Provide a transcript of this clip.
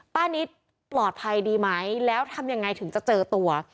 นิดปลอดภัยดีไหมแล้วทำยังไงถึงจะเจอตัว